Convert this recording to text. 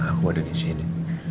aku ada di sini